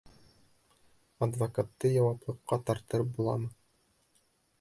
Адвокатты яуаплылыҡҡа тарттырып буламы?